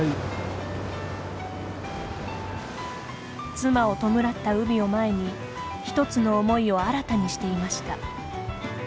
妻を弔った海を前に１つの思いを新たにしていました。